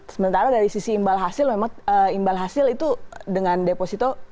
sementara dari sisi imbal hasil memang imbal hasil itu dengan deposito